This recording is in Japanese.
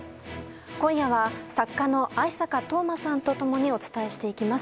今夜は作家の逢坂冬馬さんと共にお伝えしていきます。